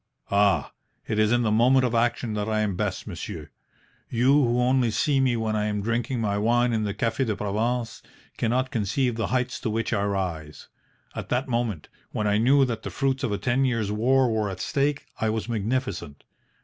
"Ah, it is in the moment of action that I am best, monsieur. You, who only see me when I am drinking my wine in the Cafe de Provence, cannot conceive the heights to which I rise. At that moment, when I knew that the fruits of a ten years' war were at stake, I was magnificent.